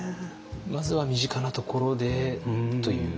まずは身近なところでという。